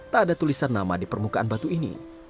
tak ada tulisan nama di permukaan batu ini